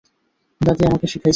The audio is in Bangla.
দাদী আমাকে শিখাইছে।